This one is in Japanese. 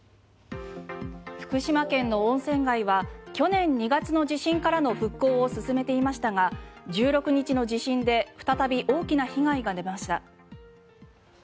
福島県の温泉街は去年２月の地震からの復興を進めていましたが１６日の地震で再び大きな被害が出ました。